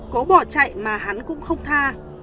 cố bỏ chạy mà hắn cũng không tha